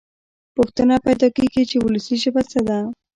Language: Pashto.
پوښتنه پیدا کېږي چې وولسي ژبه څه ده.